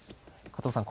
加藤さん